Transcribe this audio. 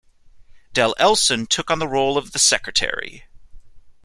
Del Elson took on the role of the Secretary.